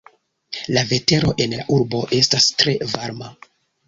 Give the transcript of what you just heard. La vetero en la urbo estas tre varma.